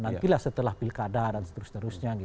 nantilah setelah pilkada dan seterusnya